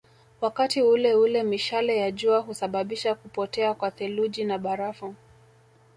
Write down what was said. Wakati uleule mishale ya jua husababisha kupotea kwa theluji na barafu